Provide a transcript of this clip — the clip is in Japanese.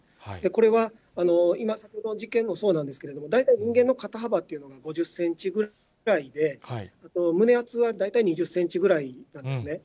これは今、先ほどの事件もそうなんですけど、大体人間の肩幅というのが５０センチぐらいで、胸厚は大体２０センチぐらいなんですね。